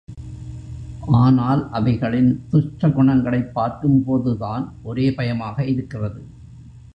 ஆனால் அவைகளின் துஷ்ட குணங்களைப் பார்க்கும் போதுதான் ஒரே பயமாக இருக்கிறது.